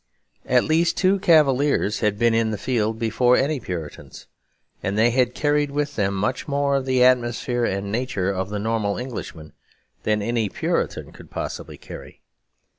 At least two Cavaliers had been in the field before any Puritans. And they had carried with them much more of the atmosphere and nature of the normal Englishman than any Puritan could possibly carry.